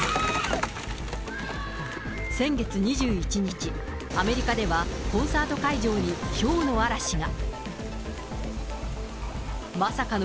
先月２１日、アメリカではコンサート会場にひょうの嵐が。